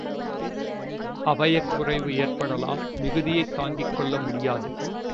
அவயக் குறைவு ஏற்படலாம் மிகுதியைத் தாங்கிக் கொள்ள முடியாது.